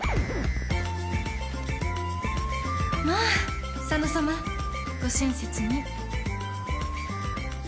まあ佐野さまご親切に。